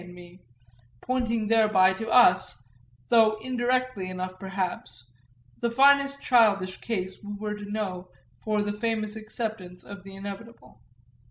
and me, pointing thereby to us, however, though indirectly enough perhaps, the finest childish case we were to know for the famous acceptance of the inevitable.